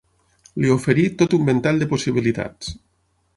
Li oferí tot un ventall de possibilitats.